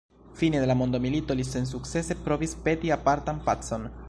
Fine de la mondomilito li sensukcese provis peti apartan pacon.